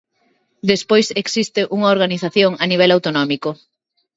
Despois existe unha organización a nivel autonómico.